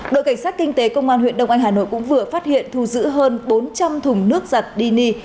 đội cảnh sát kinh tế công an huyện đông anh hà nội cũng vừa phát hiện thu giữ hơn bốn trăm linh thùng nước giặt dni